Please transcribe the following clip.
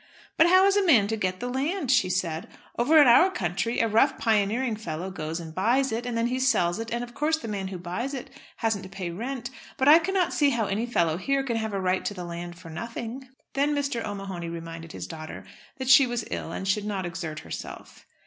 "But how is a man to get the land?" she said. "Over in our country a rough pioneering fellow goes and buys it, and then he sells it, and of course the man who buys it hasn't to pay rent. But I cannot see how any fellow here can have a right to the land for nothing." Then Mr. O'Mahony reminded his daughter that she was ill and should not exert herself.